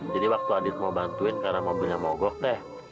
jadi waktu adit mau bantuin karena mobilnya mogok teh